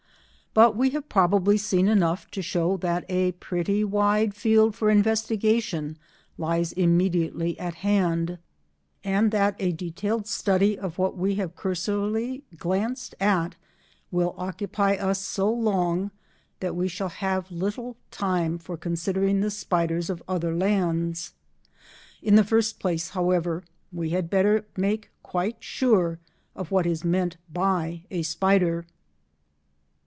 But we have probably seen enough to show that a pretty wide field for investigation lies immediately at hand, and that a detailed study of what we have cursorily glanced at will occupy us so long that we shall have little time for considering the spiders of other lands. In the first place, however, we had better make quite sure of what is meant by a spider.